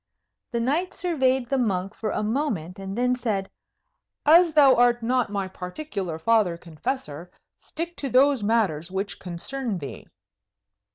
The knight surveyed the monk for a moment, and then said, "As thou art not my particular Father Confessor, stick to those matters which concern thee."